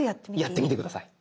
やってみて下さい。